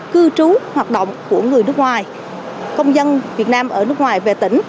cư trú hoạt động của người nước ngoài công dân việt nam ở nước ngoài về tỉnh